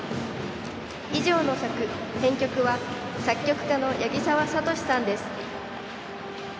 以上の作・編曲は、作曲家の八木澤教司さんです。